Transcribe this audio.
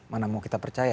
mana mau kita percaya